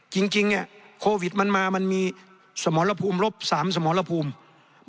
จริงเนี่ยโควิดมันมามันมีสมรภูมิรบ๓สมรภูมิ